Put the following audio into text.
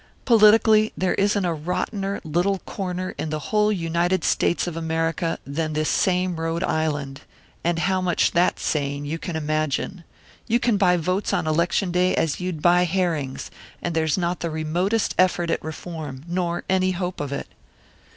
"Politically, there isn't a rottener little corner in the whole United States of America than this same Rhode Island and how much that's saying, you can imagine. You can buy votes on election day as you'd buy herrings, and there's not the remotest effort at reform, nor any hope of it."